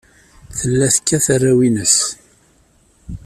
Tella tekkat arraw-nnes.